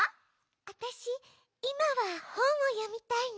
あたしいまはほんをよみたいな。